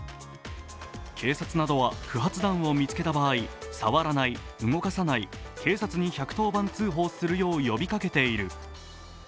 警察などは不発弾を見つけた場合、触らない、動かさない、警察に１１０番通報するよう呼びかけている。